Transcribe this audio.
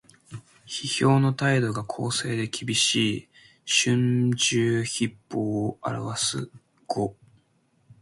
批評の態度が公正できびしい「春秋筆法」を表す語。